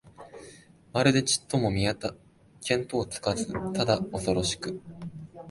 まるでちっとも見当つかず、ただおそろしく、